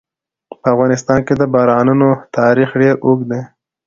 په افغانستان کې د بارانونو تاریخ ډېر اوږد دی.